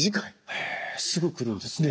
へえすぐ来るんですね。